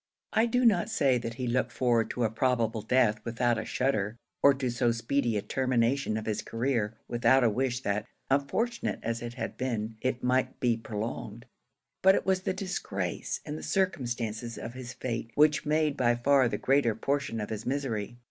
I do not say that he looked forward to a probable death without a shudder, or to so speedy a termination of his career, without a wish that, unfortunate as it had been, it might be prolonged; but it was the disgrace, and the circumstances of his fate, which made by far the greater portion of his misery.